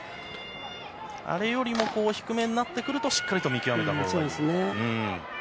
あれよりも低めになってくるとしっかり見極めたほうがいいと。